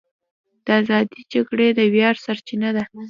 د ازادۍ جګړې د ویاړ سرچینه ده.